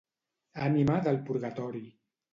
Ànima del purgatori.